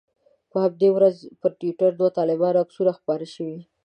په همدې ورځ پر ټویټر د دوو طالبانو عکسونه خپاره شوي.